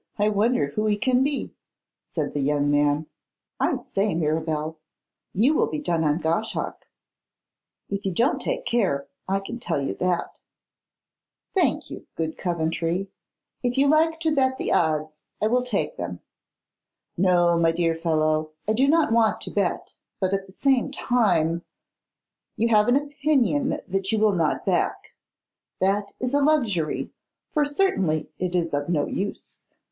I wonder who he can be!' said the young man. 'I say, Mirabel, you will be done on Goshawk, if you don't take care, I can tell you that.' 'Thank you, good Coventry; if you like to bet the odds, I will take them.' 'No, my dear fellow, I do not want to bet, but at the same time ' 'You have an opinion that you will not back. That is a luxury, for certainly it is of no, use.